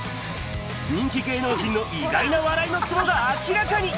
人気芸能人の意外な笑いのツボが明らかに。